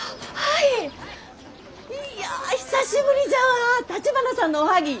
いや久しぶりじゃわあたちばなさんのおはぎ。